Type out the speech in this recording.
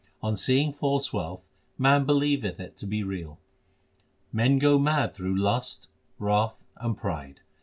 On seeing false wealth, man believeth it to be real. Men go mad through lust, wrath, and pride.